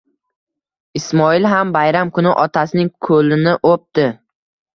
Ismoilham bayram kuni otasining ko'lini o'pdi.